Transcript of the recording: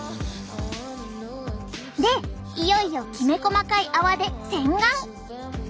でいよいよきめ細かい泡で洗顔。